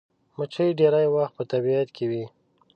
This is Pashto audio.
مچمچۍ ډېری وخت په طبیعت کې وي